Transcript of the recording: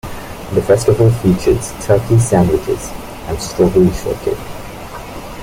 The festival features Turkey sandwiches and Strawberry Shortcake.